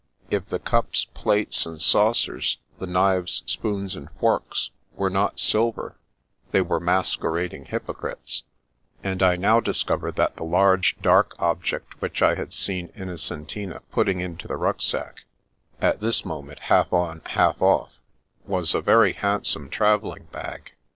If the cups, plates and saucers, the knives, spoons and forks, were not silver, they were masquerading hypocrites; and I now discovered that the large, dark object which I had seen Inno centina putting into the rucksack (at this moment half on, half off) was a very handsome travelling bag.